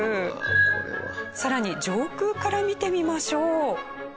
さらに上空から見てみましょう。